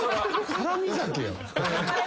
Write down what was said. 絡み酒やん。